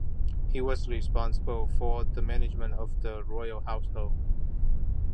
He was responsible for the management of the royal household.